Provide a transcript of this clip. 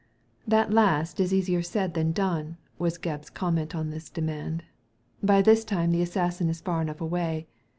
That last is easier said than done," was Gebb's comment on this demand. '* By this time the assassin is far enough away.